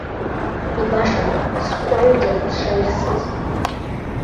Ибашан скәаҩӡа сшаирсыз.